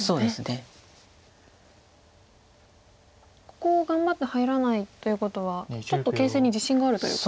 ここを頑張って入らないということはちょっと形勢に自信があるという。